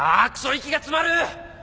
息が詰まる！